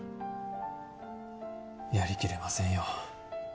やりきれませんよ。